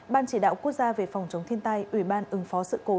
ban chỉ đạo quốc gia về phòng chống thiên tai ủy ban ứng phó sự cố